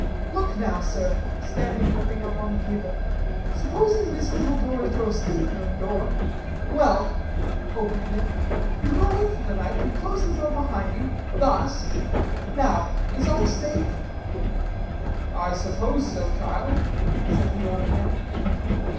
Look now, sir," standing the thing up on the table, "supposing this little door is your state room door; well," opening it, "you go in for the night; you close your door behind you thus. Now, is all safe?" "I suppose so, child," said the old man.